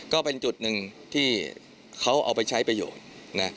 ก็เป็นจุดหนึ่งที่เขาเอาไปใช้ประโยชน์นะ